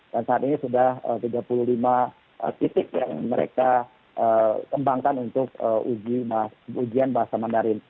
dan saat ini sudah tiga puluh lima titik yang mereka kembangkan untuk ujian bahasa mandarin